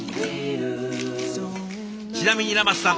ちなみにラマスさん